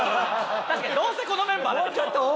確かにどうせこのメンバーだから。